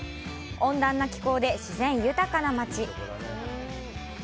温暖な気候で自然豊かな町。